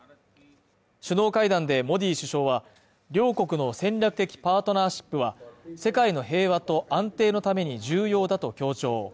首脳会談でモディ首相は両国の戦略的パートナーシップは、世界の平和と安定のために重要だと強調。